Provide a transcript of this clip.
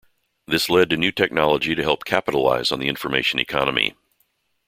This led to new technology to help capitalise on the information economy.